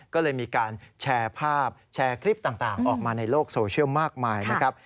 ก็เลยมีการแชร์ภาพแชร์คลิปต่างออกมาในโลกโซเชียลมากมายนะครับ